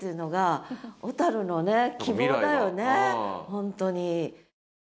本当に。